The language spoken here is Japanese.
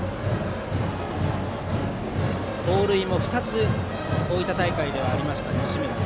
盗塁も２つ大分大会ではありました、西村。